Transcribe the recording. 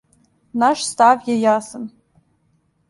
Наш став је јасан.